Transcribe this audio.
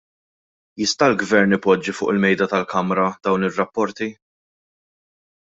Jista' l-gvern ipoġġi fuq il-Mejda tal-Kamra dawn ir-rapporti?